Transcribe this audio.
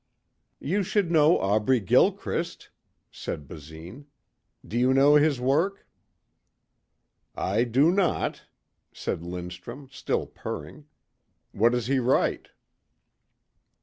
"You should know Aubrey Gilchrist," said Basine. "Do you know his work?" "I do not," said Lindstrum still purring. "What does he write?"